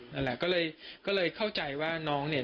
นั่นแหละก็เลยก็เลยเข้าใจว่าน้องเนี่ย